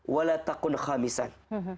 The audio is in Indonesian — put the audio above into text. wala takun khamisan